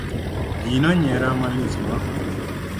Ji nonyiera malich ma.